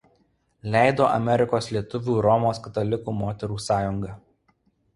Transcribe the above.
Leido Amerikos lietuvių Romos katalikių moterų sąjunga.